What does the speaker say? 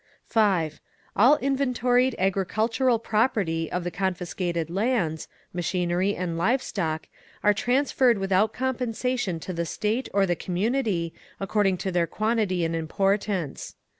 5. All inventoried agricultural property of the confiscated lands, machinery and live stock, are transferred without compensation to the State or the community, according to their quantity and importance.